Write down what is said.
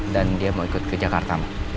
dan dia mau ikut ke jakarta ma